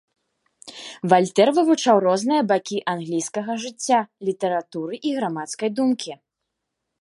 Вальтэр вывучаў розныя бакі англійскага жыцця, літаратуры і грамадскай думкі.